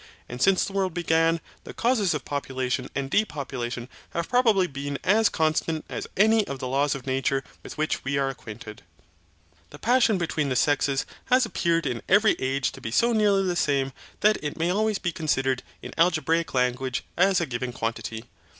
And since the world began, the causes of population and depopulation have probably been as constant as any of the laws of nature with which we are acquainted. The passion between the sexes has appeared in every age to be so nearly the same that it may always be considered, in algebraic language, as a given quantity.